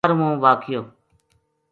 یارووں واقعو